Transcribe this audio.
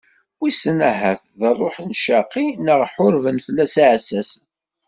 Wisen ahat d ṛṛuḥ ccaqi neɣ ḥurben fell-as yiɛessasen.